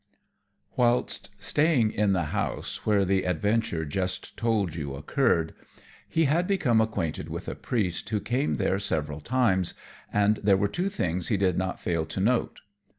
Whilst staying in the house where the adventure just told you occurred, he had become acquainted with a priest who came there several times, and there were two things he did not fail to note.